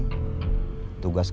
kalau ada si unang